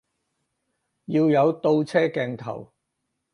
要有倒車鏡頭